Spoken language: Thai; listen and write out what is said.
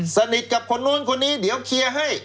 สนิทกับคนนู้นคนนี้เดี๋ยวเคลียร์ให้